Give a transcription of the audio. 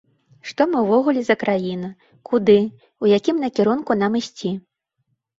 Што мы ўвогуле за краіна, куды, у якім накірунку нам ісці.